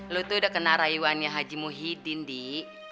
lu tuh udah kena rayuannya haji muhyiddin di